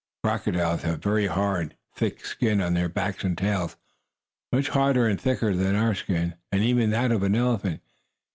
"Crocodiles have a very hard, thick skin on their backs and tails, much harder and thicker than our skin, and even that of an elephant.